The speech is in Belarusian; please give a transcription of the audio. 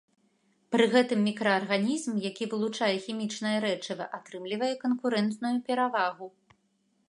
Пры гэтым мікраарганізм, які вылучае хімічнае рэчыва, атрымлівае канкурэнтную перавагу.